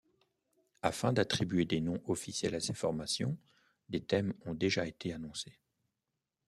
Afin d'attribuer des noms officiels à ces formations, des thèmes ont déjà été annoncés.